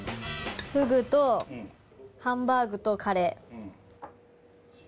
フグとハンバーグとカレー。